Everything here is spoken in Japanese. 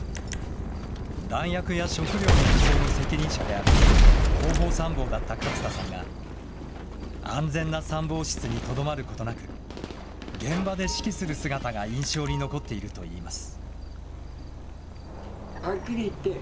弾薬や食糧の輸送の責任者である後方参謀だった勝田さんが、安全な参謀室にとどまることなく、現場で指揮する姿が印象に残っているといいます。